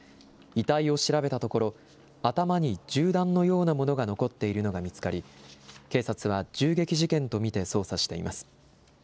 遺体を調べたところ、頭に銃弾のようなものが残っているのが見つかり、警察は銃撃事件と見て捜査しています。